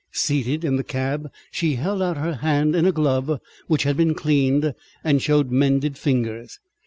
Seated in the cab, she held out her hand in a glove which had been cleaned, and showed mended fingers.